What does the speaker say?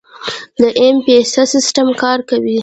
د ایم پیسه سیستم کار کوي؟